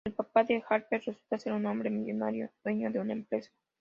El papá de Harper resulta ser un hombre millonario dueño de una empresa.